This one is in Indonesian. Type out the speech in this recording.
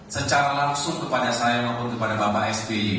secara langsung kepada saya maupun kepada bapak sby